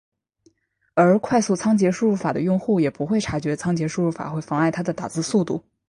而快速仓颉输入法的用户也不会察觉仓颉输入法会妨碍他的打字速度。